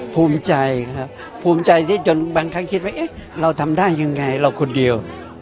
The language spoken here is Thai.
ภูมิใจครับภูมิใจที่จนบางครั้งคิดว่าเอ๊ะเราทำได้ยังไงเราคนเดียว